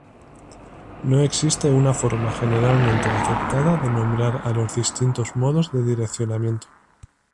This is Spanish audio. No existe una forma generalmente aceptada de nombrar a los distintos modos de direccionamiento.